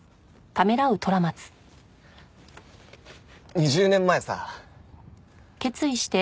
２０年前さ。